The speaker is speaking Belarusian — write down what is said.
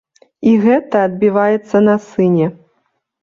І гэта адбіваецца на сыне.